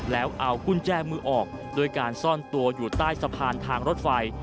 แล้วเอากุญแจมือออกด้วยการซ่อนตัวอยู่ใต้สะพานทางรถไฟ